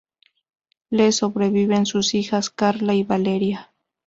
Le sobreviven sus hijas Carla y Valeria.